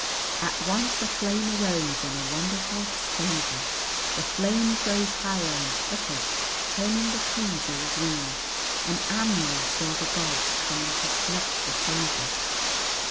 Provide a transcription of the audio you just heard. At once a flame arose and a wonderful savour, the flames rose higher and flickered turning the trees all green; and Amuel saw the gods coming to snuff the savour.